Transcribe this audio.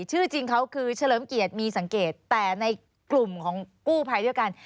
ชื่อจริงเขาคือเฉลิมเกียรติมีสังเกตแต่ในกลุ่มของกู้ภัยด้วยกัน